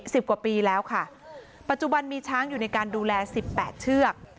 สิบกว่าปีแล้วค่ะปัจจุบันมีช้างอยู่ในการดูแลสิบแปดเชือก